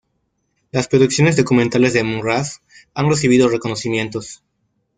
Las producciones documentales de Mraz han recibido reconocimientos.